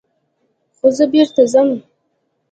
خو زه بېرته ځم.